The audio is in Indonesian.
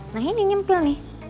nah ini nyempil nih